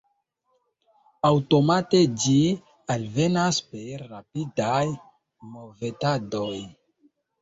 Aŭtomate ĝi alvenas per rapidaj movetadoj.